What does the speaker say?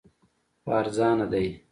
خو ارزانه دی